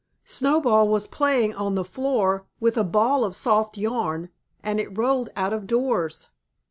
Snowball was playing on the floor, with a ball of soft yarn, and it rolled out of doors.